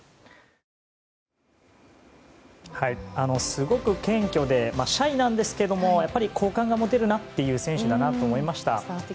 すごく謙虚でシャイなんですけども好感が持てる選手だなと思いました。